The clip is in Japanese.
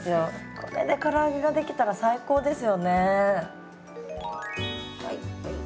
これでから揚げが出来たら最高ですよね。